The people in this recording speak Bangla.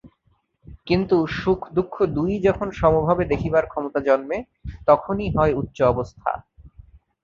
কিন্তু সুখ দুঃখ দুই-ই যখন সমভাবে দেখিবার ক্ষমতা জন্মে, তখনই হয় উচ্চ অবস্থা।